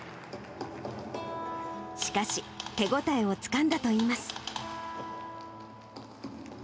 しかし、手応えをつかんだといいます。